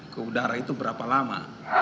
ke udara itu berapa lama